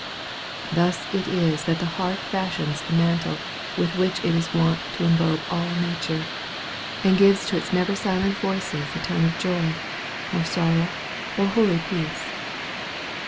Thus it is that the heart fashions the mantle with which it is wont to enrobe all nature, and gives to its never silent voices a tone of joy, or sorrow, or holy peace.